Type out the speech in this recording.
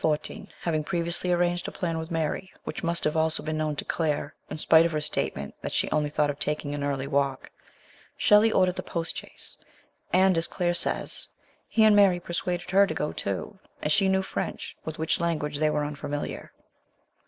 On July 27, 1814, having previously arranged a plan with Mary, which must have been also known to Claire in spite of her statement that she only thought of taking an early walk, Shelley ordered the post chaise, and, as Claire says, he and Mary persuaded her to go too, as she knew French, with which language they were unfamiliar.